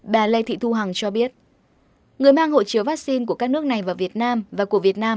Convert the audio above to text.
bà lê thị thu hằng cho biết người mang hộ chiếu vaccine của các nước này vào việt nam và của việt nam